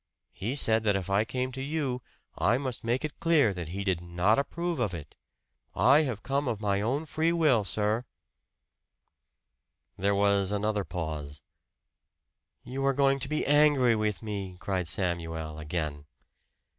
He said that if I came to you, I must make it clear that he did not approve of it. I have come of my own free will, sir." There was another pause. "You are going to be angry with me!" cried Samuel, again.